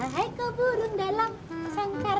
hai kau burung dalam sangkar